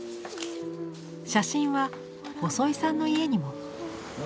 写真は細井さんの家にも。